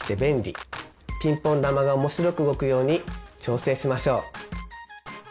ピンポン球が面白く動くように調整しましょう！